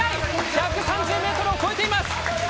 １３０ｍを超えています。